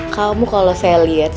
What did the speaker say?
kau best man